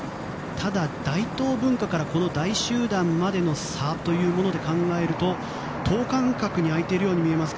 ただ、大東文化から大集団までの差というもので考えると等間隔に開いているように見えます。